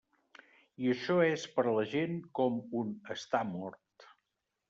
I això és per a la gent com un estar mort.